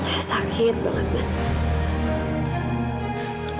ya sakit banget man